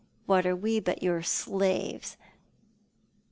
What are we but your slaves?